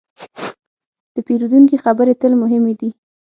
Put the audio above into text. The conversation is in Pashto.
د پیرودونکي خبرې تل مهمې دي.